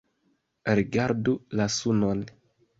Rigardu la sunon!